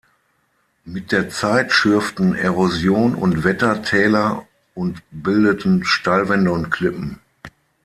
Mit der Zeit schürften Erosion und Wetter Täler und bildeten Steilwände und Klippen.